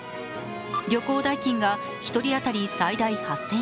旅行代金が１人当たり最大８０００円。